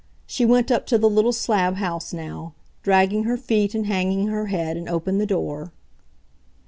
She went up to the little slab house now, dragging her feet and hanging her head, and opened the door.